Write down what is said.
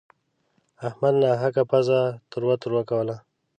احمد ناحقه پزه تروه تروه کوله.